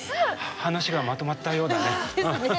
話がまとまったようだね。